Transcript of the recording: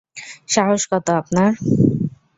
সাহস কত আপনার?